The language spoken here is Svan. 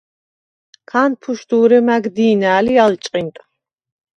ქა̄ნფუშდუ̄რე მა̈გ დი̄ნა̄̈ლ ი ალ ჭყინტ.